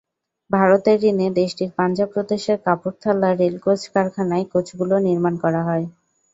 ভারতের ঋণে দেশটির পাঞ্জাব প্রদেশের কাপুরথালা রেলকোচ কারখানায় কোচগুলো নির্মাণ করা হয়।